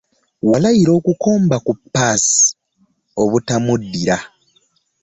Yalayira okukomba ku ppaasi obutamuddira.